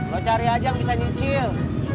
lo cari aja yang bisa nyicil